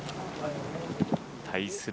対する